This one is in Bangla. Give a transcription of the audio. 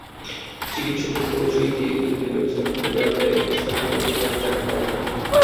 চিকিৎসকের পরিচয় দিয়ে রোগীদের ব্যবস্থাপত্র দেওয়ার দায়ে আশরাফুল মাখলুকাতকে আটক করা হয়।